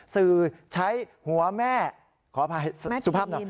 ใช้หัวแม่ขออภัยสุภาพหน่อย